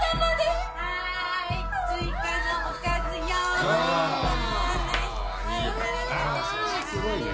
すごいね。